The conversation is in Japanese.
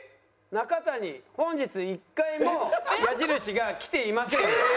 中谷本日１回も矢印がきていませんでした。